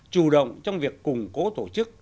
chủ động trong việc củng cố tổ chức